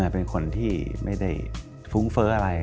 เป็นคนที่ไม่ได้ฟุ้งเฟ้ออะไร